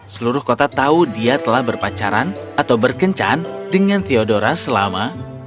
seluruh kota tahu dia telah berpacaran atau berkencan dengan theodora selama